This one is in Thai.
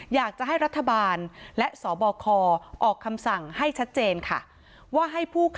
อยากจะให้รัฐบาลและสบคออกคำสั่งให้ชัดเจนค่ะว่าให้ผู้